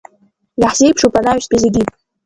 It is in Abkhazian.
Иаҳзеиԥшуп анаҩстәи зегьы…